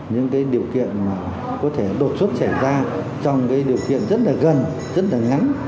những điều kiện mà có thể đột xuất xảy ra trong điều kiện rất là gần rất là ngắn